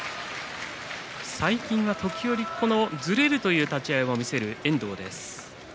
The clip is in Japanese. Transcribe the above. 最近は時折ずれるという立ち合いを見せる遠藤です。